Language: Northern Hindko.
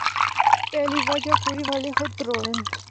پہلی وجہ کڑی والے خود تروڑّن۔